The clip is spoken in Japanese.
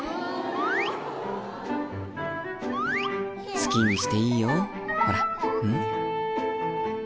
好きにしていいよほら。